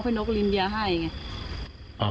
เพื่อนนกรินเบียร์ให้ไง